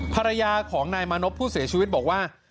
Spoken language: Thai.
ภรรยาของนายมานพผู้เสียชีวิตบอกว่า